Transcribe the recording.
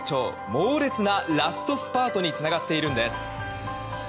猛烈なラストスパートにつながっているんです。